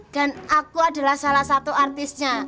dan aku adalah salah satu artisnya